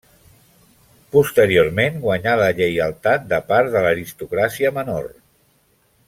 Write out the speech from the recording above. Posteriorment guanyà la lleialtat de part de l'aristocràcia menor.